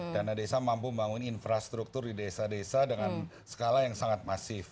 dana desa mampu membangun infrastruktur di desa desa dengan skala yang sangat masif